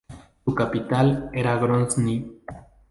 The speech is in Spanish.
Su capital era Grozni.